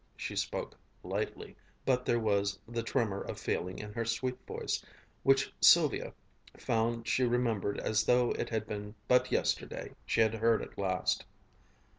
She spoke lightly, but there was the tremor of feeling in her sweet voice which Sylvia found she remembered as though it had been but yesterday she had heard it last.